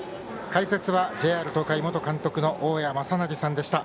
解説はＪＲ東海元監督の大矢正成さんでした。